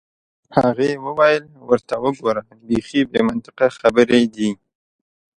هغې وویل: ورته وګوره، بیخي بې منطقه خبرې دي.